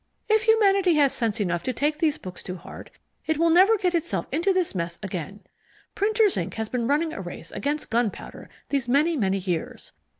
If humanity has sense enough to take these books to heart, it will never get itself into this mess again. Printer's ink has been running a race against gunpowder these many, many years.